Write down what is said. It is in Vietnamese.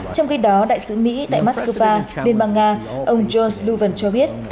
trong khi đó đại sứ mỹ tại moscow liên bang nga ông george lewin cho biết